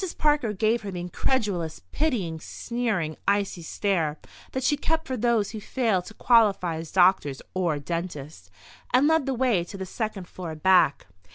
Parker gave her the incredulous, pitying, sneering, icy stare that she kept for those who failed to qualify as doctors or dentists, and led the way to the second floor back.